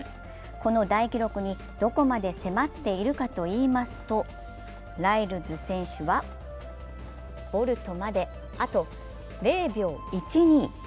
この大記録にどこまで迫っているかといいますと、ライルズ選手はボルトまであと０秒１２。